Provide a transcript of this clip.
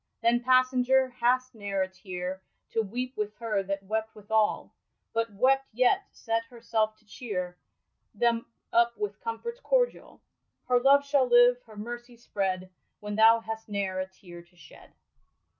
Then, passenger, hast ne'er a tear To weepe with her that wept with all ; But wept, yet set herselfe to ohere Them up with comforts cordiall? Her love shall live, her mercy spread, When thou hast ne'er a tear to shed."